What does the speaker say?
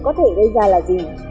có thể gây ra là gì